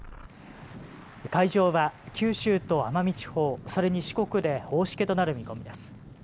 海上は九州と奄美地方、それに四国で大しけとなる見込みです。